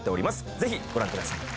ぜひご覧ください